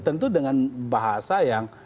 tentu dengan bahasa yang